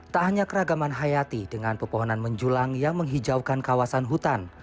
tak hanya keragaman hayati dengan pepohonan menjulang yang menghijaukan kawasan hutan